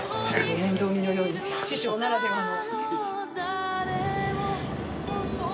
面倒見のよい師匠ならではの。